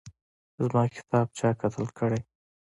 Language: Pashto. زما کتاب چا قتل کړی